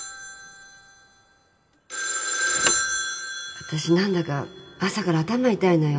☎わたし何だか朝から頭痛いのよ。